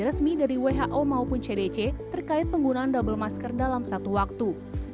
resmi dari who maupun cdc terkait penggunaan double masker dalam satu waktu